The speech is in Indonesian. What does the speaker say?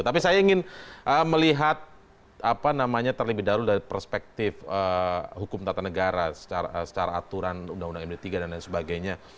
tapi saya ingin melihat apa namanya terlebih dahulu dari perspektif hukum tata negara secara aturan undang undang md tiga dan lain sebagainya